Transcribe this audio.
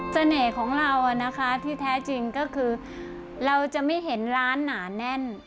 ของเราที่แท้จริงก็คือเราจะไม่เห็นร้านหนาแน่น